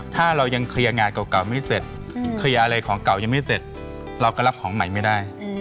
ถ้าเรายังเคลียร์งานเก่าไม่เสร็จเคลียร์อะไรของเก่ายังไม่เสร็จเราก็รับของใหม่ไม่ได้